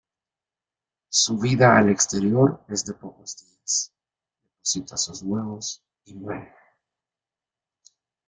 Su vida al exterior es de pocos días: deposita sus huevos y muere.